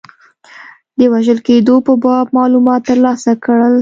د وژل کېدلو په باب معلومات ترلاسه کړل.